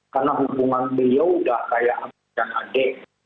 karena hubungan beliau sudah kaya ambil dan adek